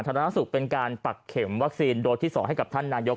ธารณสุขเป็นการปักเข็มวัคซีนโดสที่๒ให้กับท่านนายก